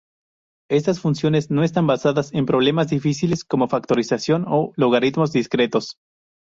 Estas funciones no están basadas en problemas difíciles como factorización o logaritmos discretos.